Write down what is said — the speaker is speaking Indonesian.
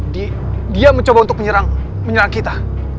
dia mencoba untuk menyerang menyerang kita